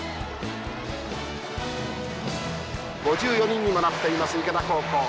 ５４人にもなっています池田高校。